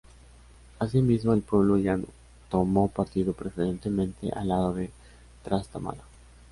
Asimismo, el pueblo llano tomó partido preferentemente al lado del Trastámara.